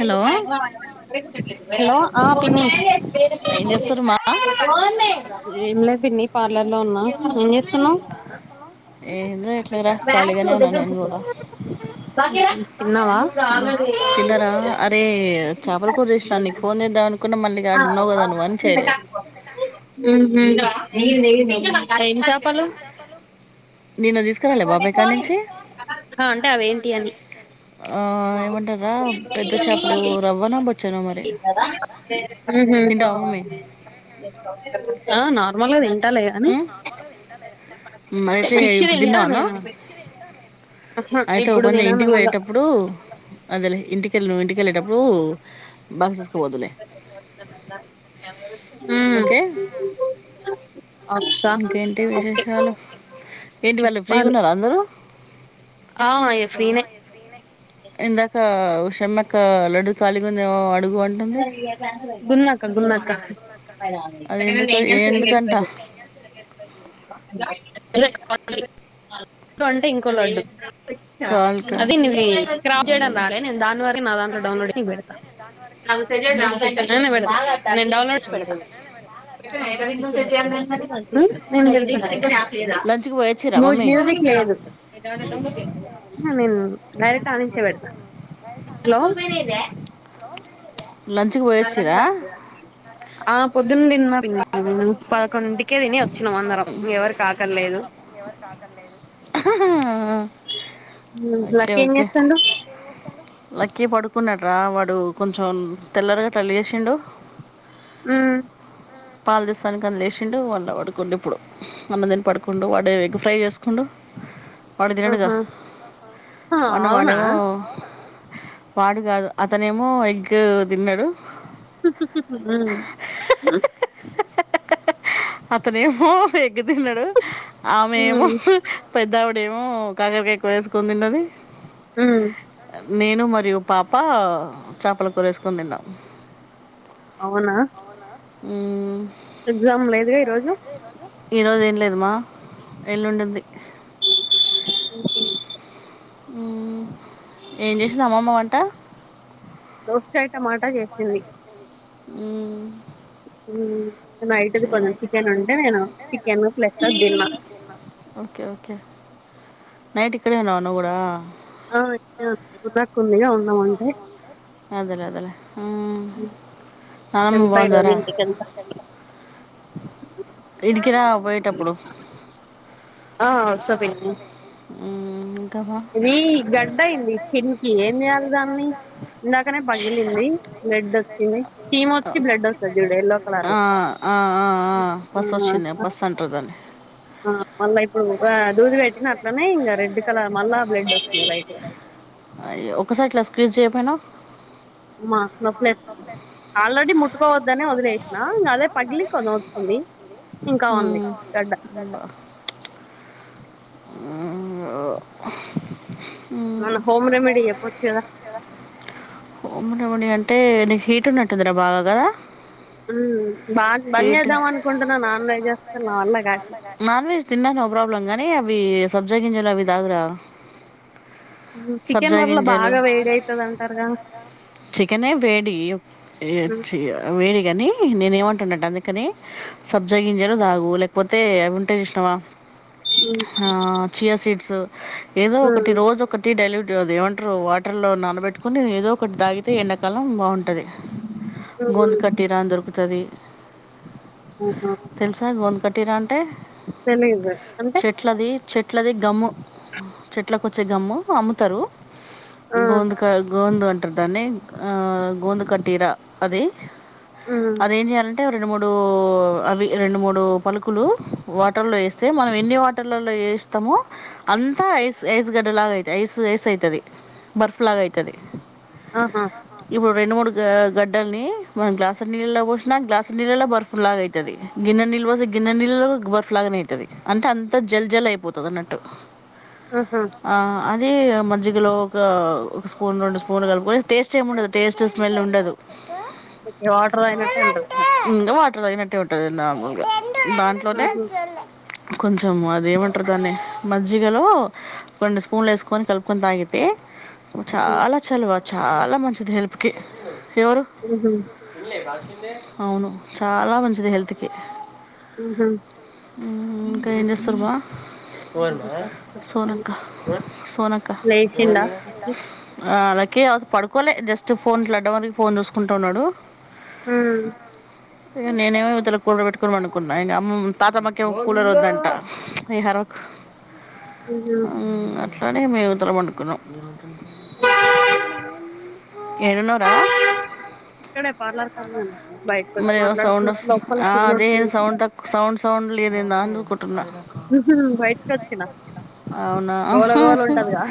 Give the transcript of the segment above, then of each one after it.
ే ఏం చేస్తారు మా ఏం లేదు పిన్ని పార్లర్ లో ఉన్నా ఏం చేస్తున్నావు ఏం చేయట్లేరా ఖాళీగానే ఉన్నా నేను కూడా న్నా తిన్నారా అరే చేపలు కూ చేసినాను నీ ఫోన్ దా పో నీ ఏం చేపాలు నిేను తీసుకురాలి బాబాయిక్కడ నుంచి అంటే అవేంటి అని ఆ ఉహు ఏమంటారా పెద్ద చేపలు రవ్వనా బచ్చ బస్ తింటావా మమ్మీ మ న మరయితే ఫిష్ ఇప్పుడు తిన్నా తింటా అనా నేను ఆహా అయితే ఓ ఇప్పుడు పంద తినను ఇంటికి ఇంగ పోయేటప్పుడు అద ఇంటికి వెళ్ళిన ఇంటికిెళ్ళేటప్పుడు బక్సిస్కుబతులే మ్మ్ ఓకే అచ్చా ఇంకేంటి ఓకే విశేషాలు ఏంటి వాళ్ళు ఫ్రీగా చెప్పాలి ఉన్నారు అందరూ ఆ అ ఫ్రీనే ఎందాకా షమ్క్క లడు కాలిగు అడుగు అంటుంది కన్నాక కన్నా అది ఎందుకు ఎందుకంట అంటే ఇంకోళ ఉంటే కాల్క అదది చే అదేలే నేను దాని వార నా ద డౌన్లోడ్ంగ్డతా ౌన్లడ్స్ పెడదు రవి నేను మ లేదా లంచ్కి పోయొచ్చిరా మ మమ్మీ మ్యూజిక్ లేదు నేను డైరెక్ట్ ఆనించే పెడతాను హలో మేనేతే లంచ్కి పోయొచ్చిరా ఆ పొద్దున్న్ దిన్న రా దును పదకొండు [unintelligible] కేవిన్యొ ఓకే లక్కీ ఏం ఓకే, చేస్తాండు లక్కీ పడుకున్నడ్రా వాడు కొంచెం తెల్లారి గట్ల లేసిండు. ఊ పాలుదెస్సానికన్ లేసిండు, మళ్ళా పడుకుండు ఇప్పుడు అన్నం తిని పడుకుండు వాడే ఎగ్ ఫ్రై చేస్కుండు. వాడు తినడుగా, ఆహా. ఆ, వన్నం అవునా వాడ్నేమో వాడు కాదు అతనేమో ఎగ్ తిన్నడు. ఊ అతనేమో ఎగ్గ్ తిన్నడు. ఆమెమో ఉమ్, పెద్దావిడేమో కాకరకాయ కూర ఏసుకొని తిన్నది. హు నేను మరియు పాప, చాపల కూరేసుకొని దిన్నం. అవునా ఊ ఎగ్జామ్ లేదుగా ఈరోజు ఈ రోజు ఏం లేదు మా, ఎల్లుండుంది. ఉ, ఏం చేసింది అమ్మమ్మ వంట ంకాయ టమాటా చేసింది. ఊ ఊ నైటుది కొంచెం చికెన్ ఉంటే నేను చికెన్ ప్లెస్ దిన్న ఓకే ఓకే నైట్ ఇక్కడే ఉన్నవా నువ్వు కూడా ఆ నే గుడ్ బాక్ ఉందిగా ఉంద్ అదేలే అదేలే ఉమ్. నానమ్మ తెంప ఈరోజు బాగుందారా ఇంటికెళ్త ఈడికి రా పోయేటప్పుడు ఆ వస్స పిన్ని, ఉమ్, ఇంకా బా ఇదీ గంటయింది ఇచ్చింపి ఏం [unintelligible] ఇందాకనే పగిలింది బ్లడ్ వచ్చింది. వచ్చి బ్లడ్ వస్తది చూడు ఎల్లో కలర్ ఆ, లో ఆ ఆ ఆ బస్ వచ్చింది బస్ అంటర్ దాన్ని ఆ మళ్ళా ఆ దూది పెట్టిన అట్ల నే ఇంగ రెడ్ కలర్ మళ్ళ అయ్యో ఒక్కసారి ఇట్లా స్క్రీజ్ చేయపోయినవ అమ్మా నొప్పిలేస్ ఆల్రెడీ ముట్టుకోవద్దనే వదిలేసిన ఇంగ అదే మ్ పగిలి కొంచెం వచ్చింది ఇంకా ఉంది గడ్డ [unintelligible] ఆ మన హోమ్ రెమెడీ చెప్పొచ్చు కదా [unintelligible] అంటే నీకు హీట్ ఉన్నట్టుందిరా బాగా కదా మ్ బాగ బంద్ హీట్ చేద్దాం అనుకుంటున్నా నాన్ వెజ్ అసలు నా వల కాట్లే ఇయి సబ్జా గింజలు అవి తాగురా హ్మ్. చికెన్ సబ్జా వల్ల గింజలు బాగా వేడైతదంటారుగా. చికనే వేడి హ్మ్. వేడి కాని నేను ఏమంటున్నంట్టే అందుకని సబ్జాగింజలు తాగు లేకపోతే అవుంటయ్ చూసినవా హ్మ్. ఆ చియా సీడ్ స్సు ఏదో ఒకటి హ్మ్. రోజు ఒకటి డైలి అది ఏమంటరు వాటర్ లో నానబెట్టుకొని ఏదో ఒకటి దాగితే ఎండ కాలం బాగుంటది హుహు. గోంద్ కట్టిరా అని దొరుకుతది తెల్సా గోంద్ కట్ టీరా అంటే తెలిదూ చెట్లది చెట్లది గమ్ము. చెట్లకొచ్చే గమ్ము అమ్ముతరు. ఆ! గోందుక గోందు అంటారు దాన్ని గోందు కటీర అది. హ్మ్. అదేం చేయాల టె ఓ రెండు మూడూ అవి రెండు మూడు పలుకులు వాటర్లో యెస్తే ఎన్ని వాటర్లలో యెస్తమో అంతా ఐస్ ఐస్ గడ్డలాగా అయితయ్ ఐస్ ఐస్ అయితది. బర్ఫ్ లాగా అయితది ఆహా! ఇప్పుడు రెండు మూడు గ గడ్డల్ని మనం గ్లాసుడు నీళ్ళలో పోసిన గ్లాసుడు నీళ్ళలో బర్ఫు లాగా అయితది. గిన్నెడ్ నీళ్ళు పోస్తే గిన్నెడ్ నీళ్ళలో బర్ఫ్ లాగనే అయితది. అంటే అంత జల్ జల్ అయిపోతది అన్నట్టు ఆహా అది మజ్జిగలో ఒక ఒక స్పూన్ రెండు స్పూన్లు కలుపుకొని టేస్ట్ ఏమ్ ఉండదు టేస్ట్ స్మెల్ ఉండదు. ఓకే వాటర్ తాగినట్టే అంటర్ ఇంకా వాటర్ తాగినట్టె ఉంటది నిర్మల్గా దాంట్లోనే హుహు. కొంచెం అదేమంటరు దాన్ని మజ్జిగలో కొన్ని స్పూన్లు యెసుకొని కలుపుకొని తాగితే హ్మ్. చాలా చాలా మం చాలా మంచిది హెల్త్ కి ఎవరు హుహు. అవును చాలా మంచిది హెల్త్ కి హుహు. ఉహ్ హు ఇంకా ఏం చేస్తుర్ బా చెప్పాలి. సోనక్క సోనక్క లేచిండా అఖిల్? ఆహ్ అహ్ లాక్కే అస్ పడుకోలే జస్ట్ ఫోన్ ఇట్ల అడ్డం వరిగి ఫోన్ చూసుకుంటా ఉన్నాడు. ఉహ్మ్ నేనేమో ఇవతల కూలర్ పెట్టుకొని పండుకున్న. ఇంగ అమ్ తాతమ్మ కి కూలరు వద్దంట. ఎయి అరవక్ హుహు. ఆహ్మ్ అట్లానేే మేం ఇద్దరం పండుకున్నాం. [unintelligible] ఎడున్నవ్రా ఇక్కడే పార్లర్ కాడనే ఉంటున్నా. బయటకొచ్చి మరి ఏదో సౌండ్ మాట్లాడుతున్నా. వాస్ లోపల ఆదే సిగ్నల్స్ లేవు. సౌండ్ తక్కువ్ సౌండ్ సౌండ్ లేద్. నేన్రరపుడ్ హుహు. బయటకొచ్చిన. అవునా గోల గోల ఉంటదిగా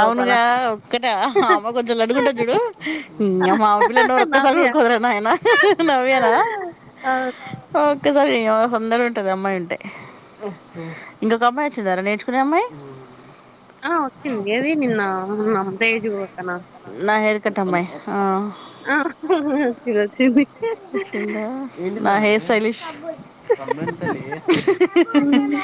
లోపల. ఒక్కటా అమ్మ కొంచెం లడ్డు గుంటది చూడు. ఇంగ మా పిల్లా నోరు ఒక్కసారి కూడా నవ్య ఉకోదూర నాయిన నవ్యనా. అవును ఒకేసారి ఏవో సందడి ఉంటది. అమ్మాయి టే ఇంకొక అమ్మాయి వచ్చిందారా నేర్చుకునే అమ్మాయి. ఆహ్ వచ్చిందగాది నిన్న ఆహ్ తేజు నయీ కతా అమ్మాయి ఆహ్ వచ్చింది వచ్చింది వచ్చిందా నా హెయిర్ స్టైలిష్ గమ్మెందుక్ తల్లి మ్మ్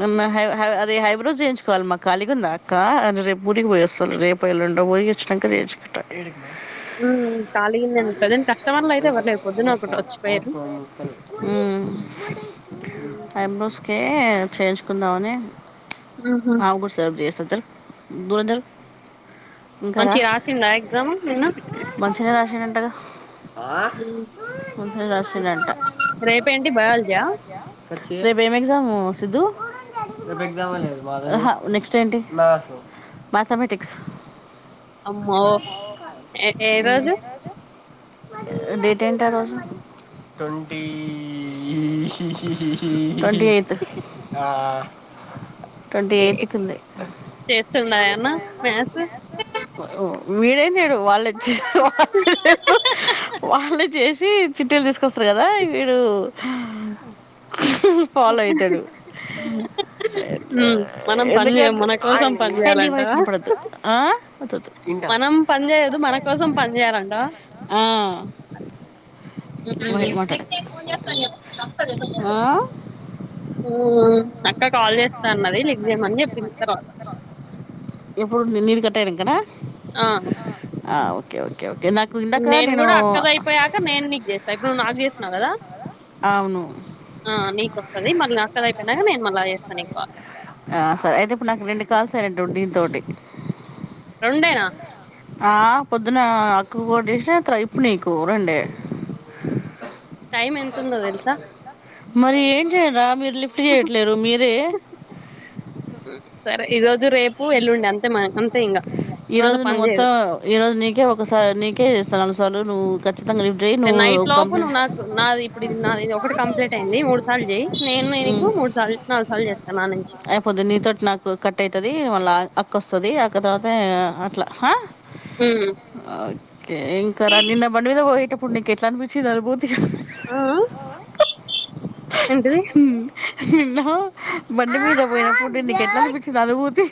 నాన్ నా హై హై అది హైబ్రోజ్ చేయించుకోవాలి. మా కలిగుందా అక్క అ రేప్ ఊరికి పోయిస్తోం. రేపోఎల్లుండో పోయిష్ చ్చినంక చేయించుకుటా. మ్మ్ ఖాళీగున్నాను ప్రజెంట్ కస్టమర్లు అయితే ఉహ్ ఎవరు లేరు పొద్దున ఒకటి వచ్చిపోయారు ఆయమ్మ తే చేయించుకుందామని. మ్మ్ ఆవ్ గుసాబ్ జేస్ బురధల్ ఇంకా రా. మంచిగ రాసిండా ఎగ్జామ్ నిన్న మంచిగానే రాసిండ టగా. రేపు ఏంటి బయాలజీ ఆ రేపు ఏము ఎగ్జామ్ సిద్దు నెక్ట్ ఏంటి మ్యాథమెటిక్స్ అమ్మో ఏరోజు డేట్ ఏంటి ఆ రోజు ట్వంటీఐతూ ఏ చేస్తుండా ఏమన్నా మ్యాస్ సు వీడేం చేడు వాళ్ళ వాళ్ళు చేసి చిట్టులు తీసుకొస్తారు కదా వీడు ఫాలో అవుతాడు మ్మ్ మనం పని ఎందుకు చేయం అంటే మన కోసం పని ఏ నీ వాయిస్ చేయాలంటావా వినపడదు వద్దొద్దు మనం పని చేయదు మన కోసం పని చేయాలంటవా ఉహు మాట్లాడు అక్క కాల్ చేస్తాన్నది లిఫ్ట్ చేయమని చెప్పింది తర్వాత పెంకనా ఆ ఓకే ఓకే ఓకే నాకు ఇందాక నేను కూడా అక్కది అయిపోయాక నేను నీకు చేస్తా ఇప్పుడు నువ్వు నాకు చేసినావు కదా అవును ఆ నీకు వస్తది మళ్ళీ అక్కది అయిపోయియాక నేను మళ్ళీ చేస్తా నీకు కాల్ దీంతోటి రెండేనా ఆ పొద్దున అక్కకు ఒకటి చేసినత ఇప్పుడు నీకు రెండే టైం ఎంత ఉందో తెలుసా మరి ఏ రా మీ లిఫ్ట్ చేయట్లేరు మీరే సరే ఈ రోజు రేపు ఎల్లుండి అంత ఈరోజు నువ్వు మొత్తం ఈరోజు నీకే ఒకసారి నీకే చేస్తా నాలుగు సార్లు నువ్వు ఖచ్చితంగా లిఫ్ట్ చేయి నువ్వు నైట్ లోపు కంప్లీట్ నువ్వు నాకు నాది ఇప్పుడు నాది ఒకటి కంప్లీట్ అయింది మూడు సార్లు చేయి నేను నీకు మూడు సార్లు నాలుగు సార్లు చేస్తాను నా నుంచి అయిపోద్దు నీతోటి నాకు కట్ అవుతుది మళ్ళా అ అక్క వస్తది అక్క తర్వాత అట్లా ఓకే ఇంకా రా నిన్న బండి మీద పోయేటప్పుడు, అప్పుడు నీకు ఎట్లా అనిపించింది అల్లు పోతే ఆ ఆ ఏంటిది నిన్న బండి మీద పోయిన అప్పుడు నేను నీకు ఎట్లా అనిపించింది అనుభూతి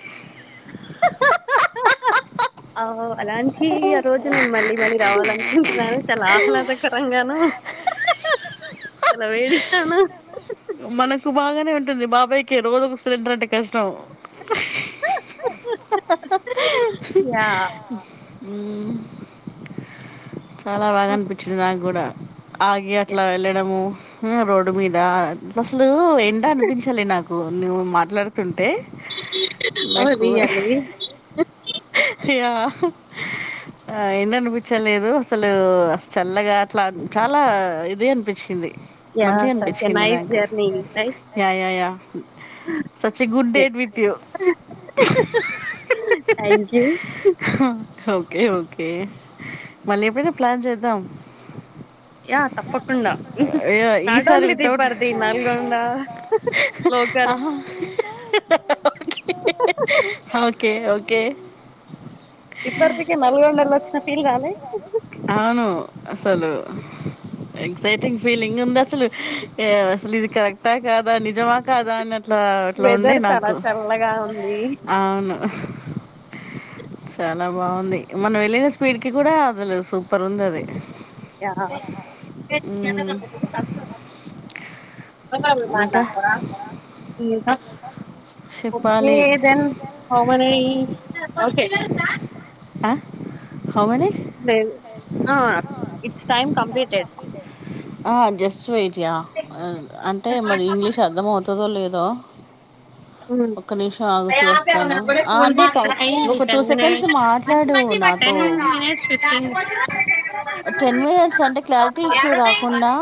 ఆ అలాంటి ఆ రోజు నేను మళ్ళీ మ మళ్ళీ రావాల అనుకుంటున్నాను చాలా అహ్లాదకరంగాను చాలా వేడిగాను మనకు బాగానే ఉంటుంది బాబాయ్ కె రోజు ఒక సిలింటర్ అంటే కష్టం కష్టం యా ఊమ్ చాలా బాగా అనిపించింది నాకు కూడా ఆగి అట్లా ఎస్ వెళ్ళడము హే రోడ్ మీద [unintelligible] నాకు ఎండ అనిపించలె నాకు నువ్వు మాట్లాడుతుం [unintelligible] ఇగ ఎండ అనిపించలేదు అస్సలు చల్లగా అట్లా చాలా ఇది గా అనిపించింది యా మంచిగా సచ్ ఏ అనిపించింది నైస్ నాకు జర్ yeah yeah yeah such a good date with you thank you okay okay మళ్ళీ ఎప్పుడైనా ప్లాన్ చేద్దాం యా తప్పకుండా not only the Deep per Deep అహ లోకల్స్ ఓకే ఓ ఓకే తిప్పర్తికి నల్గొండలో వచ్చిన ఫీల్ రాలే అవును అస్సలు ఎక్సైటింగ్ ఫీలింగ్ ఉందా ఏ అస్సలు ఇది కరెక్టా కాదా నిజమా కాదా అన్న అట్లా అట్లా ఉండే వెదర్ చాలా నాకు చల్లగా ఉంది అవును చాలా బాగుంది మనం వెళ్ళిన స్పీడ్ కి కూడా [inaudible] సూపర్ ఉంది అది యా మ్మ్. ఇంకా ఓకే చెప్పాలి దెన్ హౌ మెని ఆ లేదు ఆ ఇట్స్ టైమ్ కంప్లీటెడ్ ఆ జస్వెయిట్ యా అంటే మరి ఇంగ్లీష్ అర్థంమవుతు అవుతాదో లేదో మ్మ్. ఒక్క నిమిషం ఆగు చూస్తాను ఆ ఆంటీ కవ ఒక టూ సెకండ్స్ మాట్ మంచి మంచి పట్ట టెన్ మినిట్స్ అంటే క్లారిటీ ఇష్యూ రాకుండా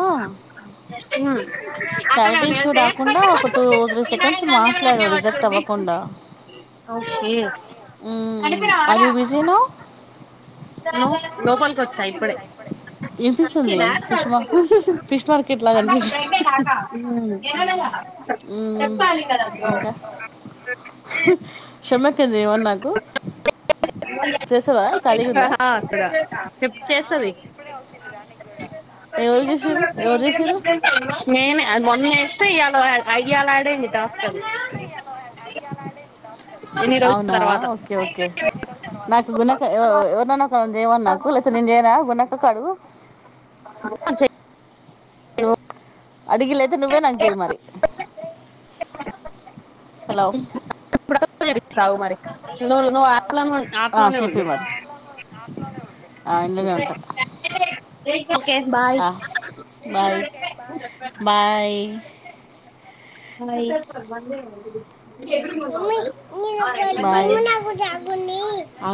క్లారిటీ ఇష్యూ అధన్యవా రాకుండా ఒక టూ త్రీ సెకండ్స్ మాట్లాడు రిజెక్ట్ అవ్వకుండా ఓకే జినో ను లోపలికి వచ్చా ఇప్పుడే వినిపిస్తుంది ఫిష్ మా ఫిష్ మార్కెట్ లాగా అనిపిస్తుంది మ్మ్. క్షమక్కను చేయమను నాకు చేసావా ఖాళీగా ఉందా అగా చెప్ చేస్తది ఎవరు చేసిరు ఎవరు చేసిరు నేను మొన్న ఇయాల యాడ్ అయినది టాస్క్ ఎన్ని రోజులు ఓకే ఓకే నాకు గునక ఎవ తను చేయమను నాకు లేత నేను చేయనా గు కడుగు అడిగి లేకపోతే నువ్వే నాకు చేయి మరి హలో [inaudible] చెప్పే మరి ఆ ఇందు లో నే ఉంటాం K bye bye bye bye బంద్ అవ